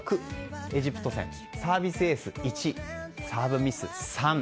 エジプト戦、サービスエース１サーブミス３。